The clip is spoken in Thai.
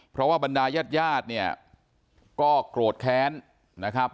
เพราะว่าบรรดายาดเนี่ยก็โกรธแค้นนะครับ